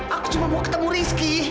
aku cuma mau ketemu rizky